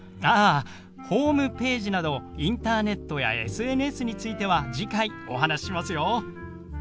あホームページなどインターネットやＳＮＳについては次回お話ししますよ。